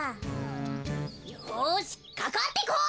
よしかかってこい！